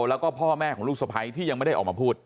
แล้วก็พ่อแม่ของลูกสะพ้ายที่ยังไม่ได้ออกมาพูด